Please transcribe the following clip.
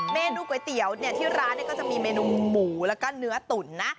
เมนูก๋วยเตี๋ยวเนี่ยที่ร้านก็จะมีเมนูหมูแล้วก็เนื้อตุ๋นนะ